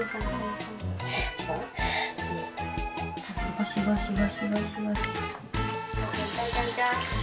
ゴシゴシゴシゴシ。